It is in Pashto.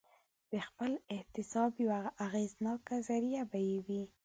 د خپل احتساب یوه اغېزناکه ذریعه به یې وي.